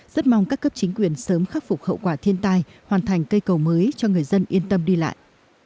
rất mong các cấp chính quyền sớm khắc phục hậu quả thiên tai hoàn thành cây cầu mới cho người dân yên tâm đi lại